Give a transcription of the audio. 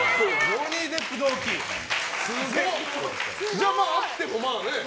じゃあ、会ってもまあね。